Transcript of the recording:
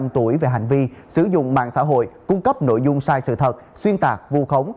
hai mươi năm tuổi về hành vi sử dụng mạng xã hội cung cấp nội dung sai sự thật xuyên tạc vô khống